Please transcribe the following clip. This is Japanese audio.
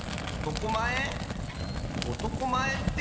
おとこまえって？